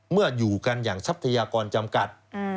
อยู่กันอย่างทรัพยากรจำกัด